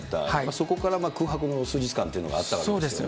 そこから空白の数日間というのがあったわけですよね。